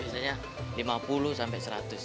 misalnya lima puluh sampai seratus